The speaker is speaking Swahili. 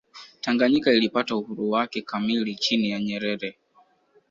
tanganyika ilipoata uhuru wake kamili chini ya nyerere